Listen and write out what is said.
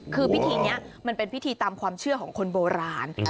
คือพิธีนี้มันเป็นพิธีตามความเชื่อของคนโบราณ